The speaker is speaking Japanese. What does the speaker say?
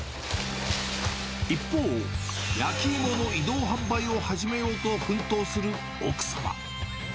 一方、焼き芋の移動販売を始めようと奮闘する奥様。